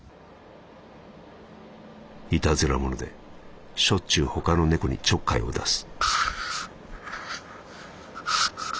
「いたずら者でしょっちゅう他の猫にちょっかいを出す」。